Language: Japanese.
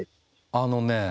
あのね